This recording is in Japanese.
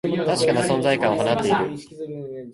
確かな存在感を放っている